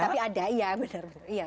tapi ada iya benar